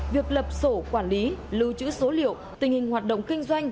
việc lập sổ quản lý lưu trữ số liệu tình hình hoạt động kinh doanh